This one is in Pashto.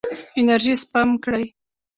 انرژي سپم کړئ.